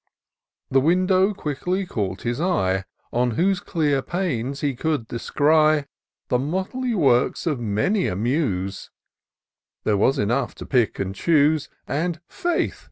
The window quickly caught his eye, On whose clear panes he could descry \ 42 TOUR OF DOCTOR SYNTAX The motley works of many a Muse : There was enough to pick and choose ; And, "Faith!"